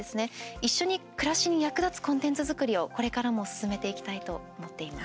一緒に暮らしに役立つコンテンツ作りを、これからも進めていきたいと思っています。